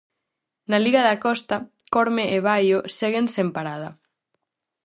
Na liga da Costa, Corme e Baio seguen sen parada.